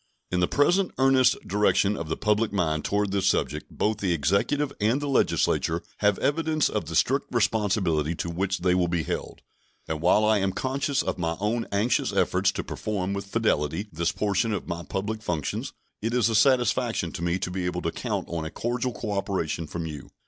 In the present earnest direction of the public mind toward this subject both the Executive and the Legislature have evidence of the strict responsibility to which they will be held; and while I am conscious of my own anxious efforts to perform with fidelity this portion of my public functions, it is a satisfaction to me to be able to count on a cordial cooperation from you.